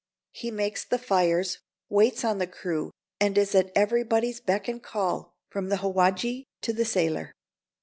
He makes the fires, waits on the crew, and is at everybody's beck and call, from the howadji to the sailor.